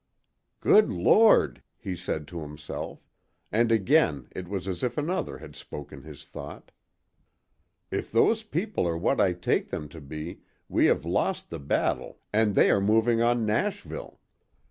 "Good Lord!" he said to himself—and again it was as if another had spoken his thought—"if those people are what I take them to be we have lost the battle and they are moving on Nashville!"